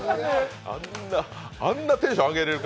あんなテンション上げれる